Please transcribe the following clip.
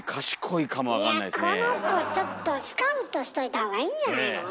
この子ちょっとスカウトしといたほうがいいんじゃないの？